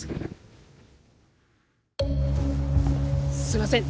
すみません